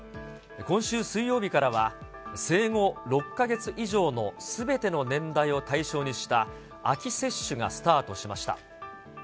今週水曜日からは、生後６か月以上のすべての年代を対象にした秋接種がスタートしました。